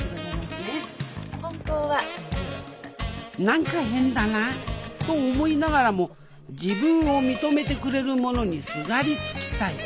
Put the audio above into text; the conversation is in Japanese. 何か変だなと思いながらも自分を認めてくれる者にすがりつきたい。